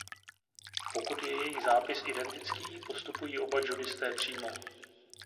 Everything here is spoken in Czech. Pokud je jejich zápis identický postupují oba judisté přímo.